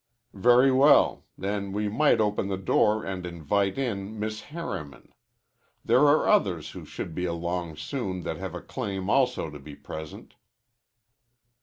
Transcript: "Very well. Then we might open the door and invite in Miss Harriman. There are others who should be along soon that have a claim also to be present."